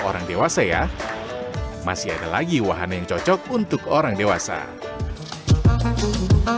orang dewasa ya masih ada lagi wahana yang cocok untuk orang dewasa masih yang warna warni ini